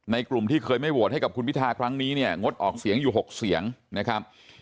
กลุ่มที่เคยไม่โหวตให้กับคุณพิทาครั้งนี้เนี่ยงดออกเสียงอยู่๖เสียงนะครับ